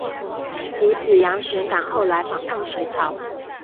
其子杨玄感后来反叛隋朝。